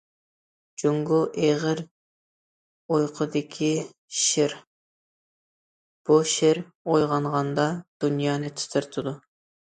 « جۇڭگو ئېغىر ئۇيقۇدىكى شىر، بۇ شىر ئويغانغاندا، دۇنيانى تىترىتىدۇ».